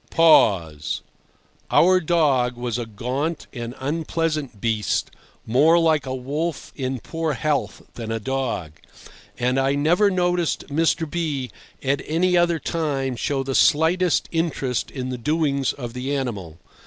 Pause. Our dog was a gaunt and unpleasant beast, more like a wolf in poor health than a dog, and I never noticed Mr. B— at any other time show the slightest interest in the doings of the animal.